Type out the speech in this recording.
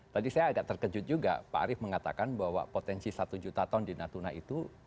tadi saya agak terkejut juga pak arief mengatakan bahwa potensi satu juta ton di natuna itu